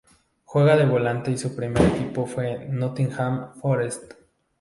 Juega de volante y su primer equipo fue Nottingham Forest.